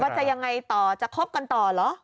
จะยังไงต่อจะคบกันต่อเหรอ